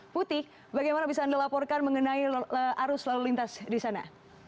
putih bagaimana bisa anda laporkan mengenai arus lalu lintas di sana